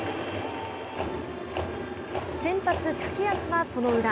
先発竹安はその裏。